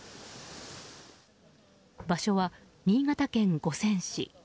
場所は新潟県五泉市。